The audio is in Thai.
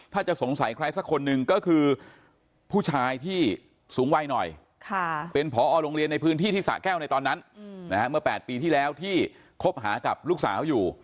ถ้าจะสงสัยใครสักคนหนึ่งก็คือผู้ชายที่สูงวัยหน่อยเป็นผอโรงเรียนในพื้นที่ที่สะแก้วในตอนนั้นเมื่อ๘ปีที่แล้วที่คบหากับลูกสาวอยู่